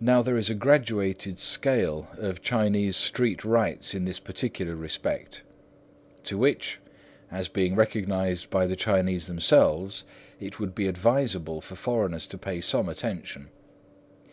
Now there is a graduated scale of Chinese street rights in this particular respect, to which, as being recognised by the Chinese themselves, it would be advisable for foreigners to pay some attention.